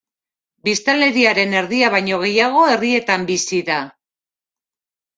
Biztanleriaren erdia baino gehiago herrietan bizi da.